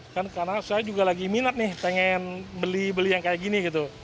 karena saya juga lagi minat nih pengen beli beli yang kayak gini gitu